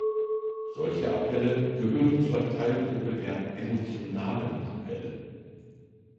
Solche Appelle gehören zur Teilgruppe der emotionalen Appelle.